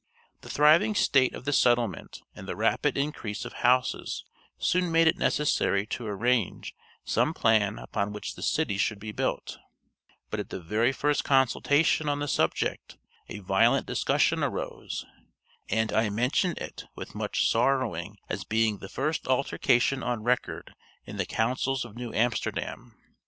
The thriving state of the settlement and the rapid increase of houses soon made it necessary to arrange some plan upon which the city should be built; but at the very first consultation on the subject a violent discussion arose; and I mention it with much sorrowing as being the first altercation on record in the councils of New Amsterdam.